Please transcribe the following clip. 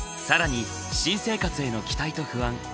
更に新生活への期待と不安